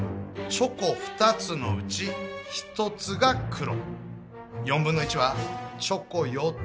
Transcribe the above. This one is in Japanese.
チョコ６つのうち２つが黒。